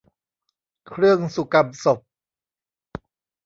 เครื่องสุกำศพ